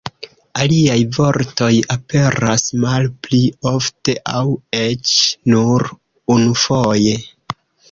Aliaj vortoj aperas malpli ofte, aŭ eĉ nur unufoje.